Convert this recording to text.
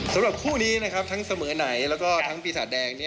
สำหรับคู่นี้นะครับทั้งเสมอไหนแล้วก็ทั้งปีศาจแดง